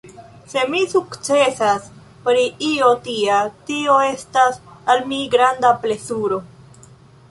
Se mi sukcesas pri io tia, tio estas al mi granda plezuro.